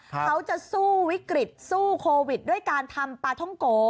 เขาจะสู้วิกฤตสู้โควิดด้วยการทำปลาท่องโก